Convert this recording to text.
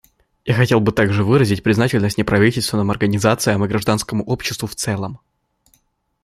Я хотел бы также выразить признательность неправительственным организациям и гражданскому обществу в целом.